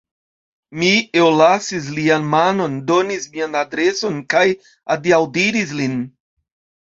Mi ellasis lian manon, donis mian adreson kaj adiaŭdiris lin.